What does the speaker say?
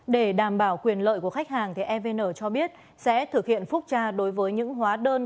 để đảm bảo quyền lợi của khách hàng evn cho biết sẽ thực hiện phúc tra đối với những hóa đơn